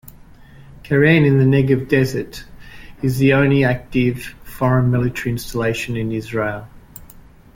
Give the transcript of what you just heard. Keren in the Negev desert is the only active foreign military installation in Israel.